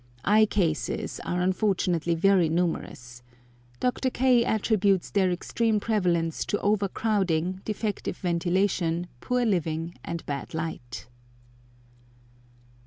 Eye cases are unfortunately very numerous. Dr. K. attributes their extreme prevalence to overcrowding, defective ventilation, poor living, and bad light.